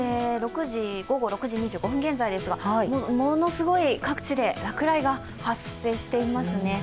午後６時２５分現在ですがものすごい各地で落雷が発生していますね。